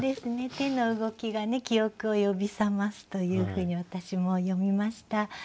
手の動きが記憶を呼び覚ますというふうに私も読みました。